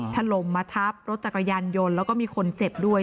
ถล่มมาทับรถจักรยานยนต์แล้วก็มีคนเจ็บด้วย